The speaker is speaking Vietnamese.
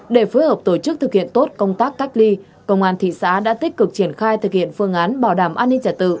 để phối hợp tổ chức thực hiện tốt công tác cách ly công an thị xã đã tích cực triển khai thực hiện phương án bảo đảm an ninh trả tự